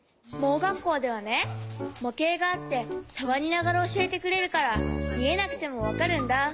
盲学校ではねもけいがあってさわりながらおしえてくれるからみえなくてもわかるんだ。